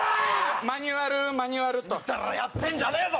マニュアルマニュアルとちんたらやってんじゃねえぞ！